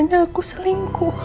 siapa p gospel tidak puas kadang